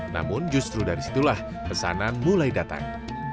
namun justru dari situlah pesanan mulai datang